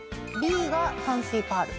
Ｂが淡水パール。